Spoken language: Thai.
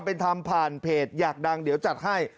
เมื่อกี้มันร้องพักเดียวเลย